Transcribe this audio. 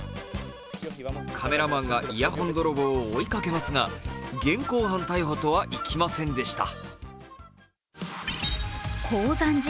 カメラマンがイヤホン泥棒を追いかけますが、現行犯逮捕とはいきませんでした。